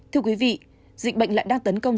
thưa quý vị dịch bệnh lại đang tấn công